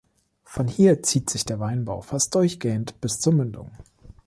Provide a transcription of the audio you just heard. Von hier zieht sich der Weinbau fast durchgehend bis zur Mündung.